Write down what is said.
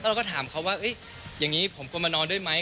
แล้วเราก็ถามเค้าว่าเฮ้ยอย่างนี้ผมควรมานอนด้วยไหม